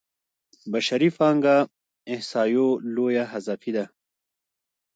بشري پانګه احصایو لویه حذفي ده.